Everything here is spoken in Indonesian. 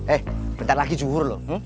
eh bentar lagi juhur lo